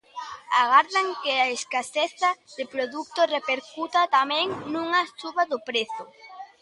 Agardan que a escaseza de produto repercuta tamén nunha suba do prezo.